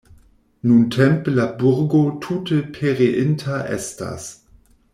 Nuntempe la burgo tute pereinta estas.